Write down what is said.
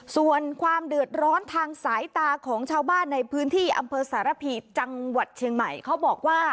ส่วนความเดือดร้อนทางสายตาของชาวบ้านในพื้นที่อำเภอสารพีจังหวัดเชียงใหม่เขาบอกว่า